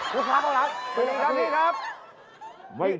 ก็ตั้งใจทำงานนะ